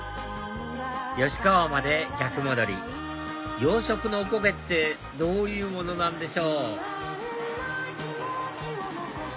吉川まで逆戻り洋食のおこげってどういうものなんでしょう？